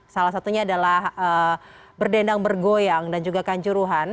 salah satunya adalah berdendang bergoyang dan juga kanjuruhan